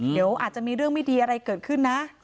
เดี๋ยวอาจจะมีเรื่องไม่ดีอะไรเกิดขึ้นนะ